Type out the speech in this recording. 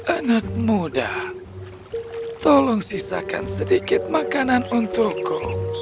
anak muda tolong sisakan sedikit makanan untukku